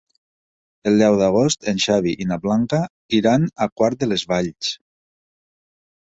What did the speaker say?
El deu d'agost en Xavi i na Blanca iran a Quart de les Valls.